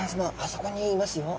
そこにいますよ。